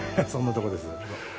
そんなとこです